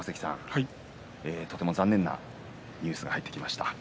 とても残念なニュースが入ってきました。